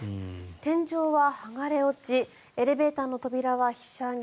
天井は剥がれ落ちエレベーターの扉はひしゃげ